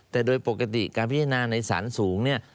แต่โดยปกติการพิจารณาในสารสูงเนี่ย